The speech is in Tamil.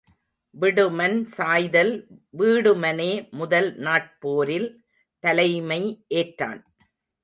விடுமன் சாய்தல் வீடுமனே முதல் நாட் போரில் தலைமை ஏற்றான்.